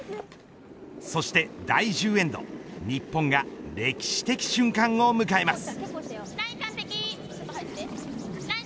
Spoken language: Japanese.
そして第１０エンド日本が歴史的瞬間を迎えます。